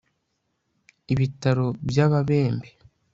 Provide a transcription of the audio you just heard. ibitaro by'ababembe